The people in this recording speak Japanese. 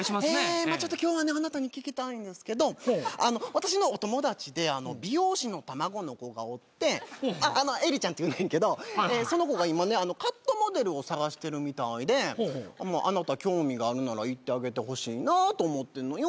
あちょっと今日はあなたに聞きたいんですけど私のお友達で美容師の卵の子がおってえりちゃんっていうねんけどその子が今ねカットモデルを探してるみたいでほおほおあなた興味があるなら行ってあげてほしいなと思ってんのよ